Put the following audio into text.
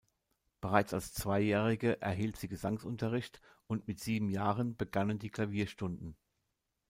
Bereits als Zweijährige erhielt sie Gesangsunterricht und mit sieben Jahren begannen die Klavierstunden.